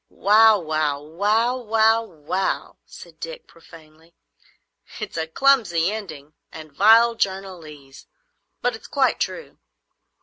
"Wow—wow—wow—wow—wow!" said Dick, profanely. "It's a clumsy ending and vile journalese, but it's quite true.